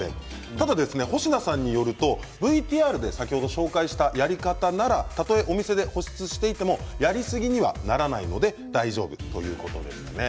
ただ、保科さんによるとＶＴＲで先ほど紹介したやり方ならたとえお店で保湿していてもやりすぎにはならないので大丈夫ということです。